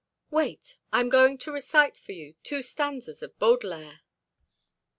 Wait! I am going to recite for you two stanzas of Baudelaire."